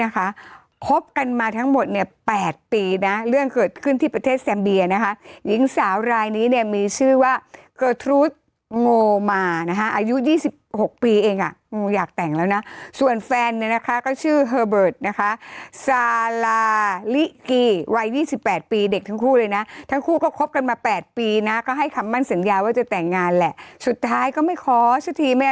คบกันมาทั้งหมดเนี่ย๘ปีนะเรื่องเกิดขึ้นที่ประเทศแซมเบียนะคะหญิงสาวรายนี้เนี่ยมีชื่อว่าเกอร์ทรูดโงมานะคะอายุ๒๖ปีเองอ่ะงูอยากแต่งแล้วนะส่วนแฟนเนี่ยนะคะก็ชื่อเฮอร์เบิร์ตนะคะซาลาลิกีวัย๒๘ปีเด็กทั้งคู่เลยนะทั้งคู่ก็คบกันมา๘ปีนะก็ให้คำมั่นสัญญาว่าจะแต่งงานแหละสุดท้ายก็ไม่ขอสักทีไม่